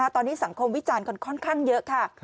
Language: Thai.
ตอนนี้สังคมวิจารณ์กันค่อนข้างเยอะค่ะ